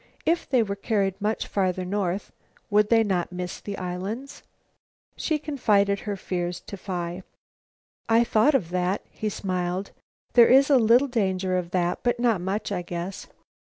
If they were carried much farther north, would they not miss the islands? She confided her fears to Phi. "I thought of that," he smiled. "There is a little danger of that, but not much, I guess.